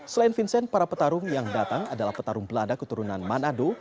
selain vincent para petarung yang datang adalah petarung belanda keturunan manado